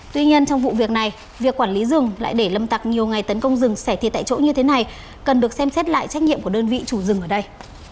tuy nhiên trong vụ việc này việc quản lý rừng lại để lâm tặc nhiều ngày tấn công rừng sẻ thiệt tại chỗ như thế này cần được xem xét lại trách nhiệm của đơn vị chủ rừng ở đây